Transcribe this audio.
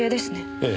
ええ。